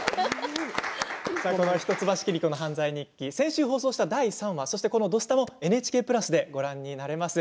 「一橋桐子の犯罪日記」先週放送した第３話そして、この「土スタ」もＮＨＫプラスでご覧になれます。